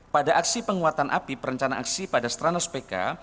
pada aksi penguatan apip perencanaan aksi pada stranas pk